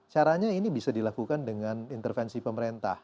caranya ini bisa dilakukan dengan intervensi pemerintah